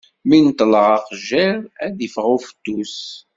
Mi neṭleɣ aqejjir, ad d-iffeɣ ufettus.